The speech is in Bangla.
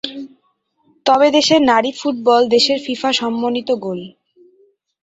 তবে দেশের নারী ফুটবল দেশের ফিফা সমন্বিত গোল!